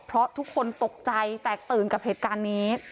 เพราะทุกคนตกใจแตกตื่นกับเหตุการณ์นี้